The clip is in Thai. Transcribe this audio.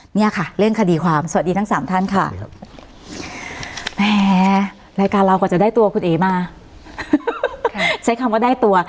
เนี่ยค่ะเรื่องคดีความสวัสดีทั้งสามท่านค่ะครับแหมรายการเรากว่าจะได้ตัวคุณเอ๋มาค่ะใช้คำว่าได้ตัว